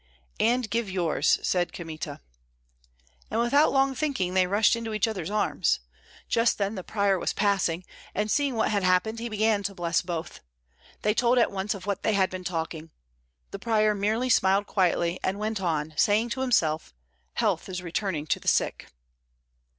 "And give yours," said Kmita. And without long thinking they rushed into each other's arms. Just then the prior was passing, and seeing what had happened he began to bless both. They told at once of what they had been talking. The prior merely smiled quietly, and went on saying to himself, "Health is returning to the sick."